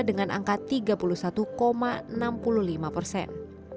dengan angka tiga puluh satu enam puluh lima persen